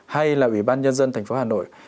hay là ủy ban nhân dân tp hà nội